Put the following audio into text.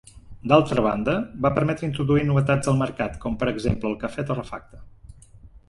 D'altra banda, va permetre introduir novetats al mercat, com per exemple el cafè torrefacte.